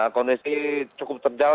kondisi cukup terjal